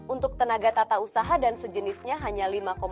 untuk tenaga tata usaha dan sejenisnya hanya lima empat